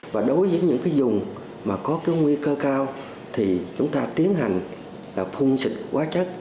và đối với những cái dùng mà có cái nguy cơ cao thì chúng ta tiến hành là phun xịt quá chất